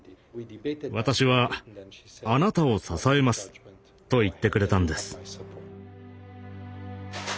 私はあなたを支えます」と言ってくれたんです。